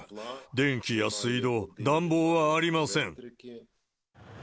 電気や水道、暖房はありません。